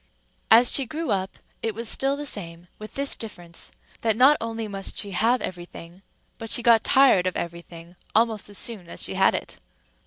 As she grew up it was still the same, with this difference, that not only must she have every thing, but she got tired of every thing almost as soon as she had it.